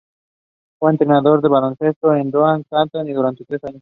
Fue entrenador de baloncesto en Doha, Catar, durante tres años.